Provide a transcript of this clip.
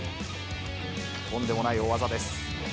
とんでもない大技です。